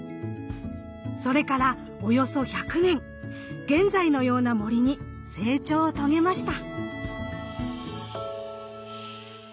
それからおよそ１００年現在のような森に成長を遂げました。